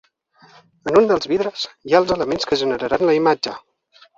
En un dels vidres hi ha els elements que generaran la imatge.